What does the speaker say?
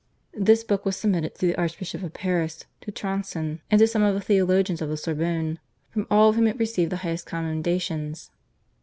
This book was submitted to the Archbishop of Paris, to Tronson, and to some of the theologians of the Sorbonne, from all of whom it received the highest commendations.